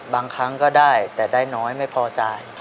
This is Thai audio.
ครั้งก็ได้แต่ได้น้อยไม่พอจ่าย